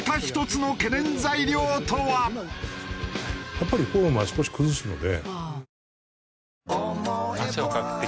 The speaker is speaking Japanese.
やっぱりフォームは少し崩すので。